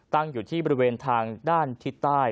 ตั้งอยู่ที่บริเวณทางด้านทิศใต้